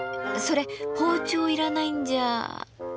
それ包丁いらないんじゃ。